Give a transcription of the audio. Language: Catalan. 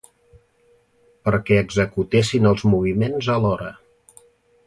perquè executessin els moviments alhora